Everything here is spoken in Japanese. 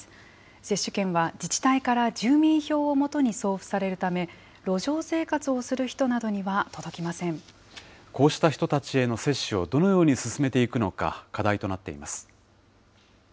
接種券は自治体から住民票をもとに送付されるため、路上生活をすこうした人たちへの接種をどのように進めていくのか、課題となっています。